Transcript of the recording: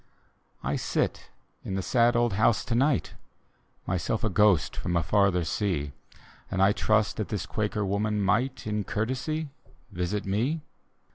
I sit in the sad old house to night — Myself a ghost from a farther sea; And I trust that this Quaker woman might, In courtesy, visit mc.